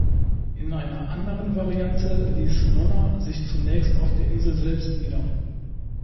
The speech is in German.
In einer anderen Variante ließ Nonna sich zunächst auf der Insel selbst nieder.